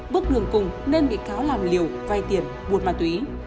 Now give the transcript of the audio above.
bước đường cùng nên bị cáo làm liều vai tiền buôn ma túy